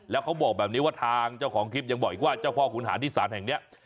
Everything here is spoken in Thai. แล้วเขาบอกแบบนี้ว่าทางเจ้าของคลิปยังบอกอีกว่าเจ้าพ่อขุนหารที่ศาลแห่งนี้